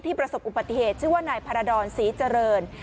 ประสบอุบัติเหตุชื่อว่านายพารดรศรีเจริญ